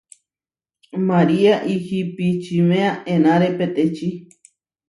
María ihipičiméa enáre peteči.